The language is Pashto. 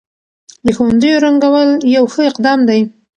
د ښوونځيو رنګول يو ښه اقدام دی.